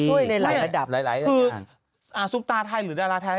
ช่วยในหลายระดับหลายอย่างเงี้ยคืออาสุปตาไทยหรือดาราไทย